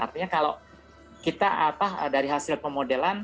artinya kalau kita dari hasil pemodelan